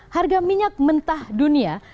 harga minyak mentah dunia